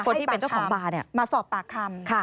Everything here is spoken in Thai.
คนที่เป็นเจ้าของบาร์มาสอบปากคำ